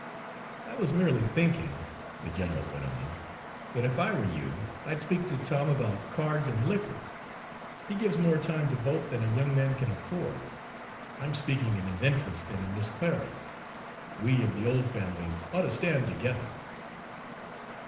"I was merely thinking," the general went on, "that if I were you I'd speak to Tom about cards and liquor. He gives more time to both than a young man can afford. I'm speaking in his interest and in Miss Clara's, we of the old families ought to stand together."